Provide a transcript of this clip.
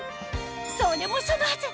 それもそのはず